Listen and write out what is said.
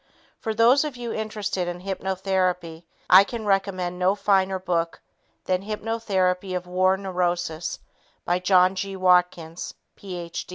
For those of you interested in hypnotherapy, I can recommend no finer book than Hypnotherapy of War Neuroses by John G. Watkins, Ph.